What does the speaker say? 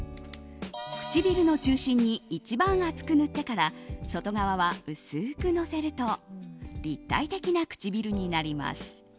唇の中心に一番厚く塗ってから外側は薄くのせると立体的な唇になります。